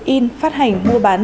in phát hành mua bạc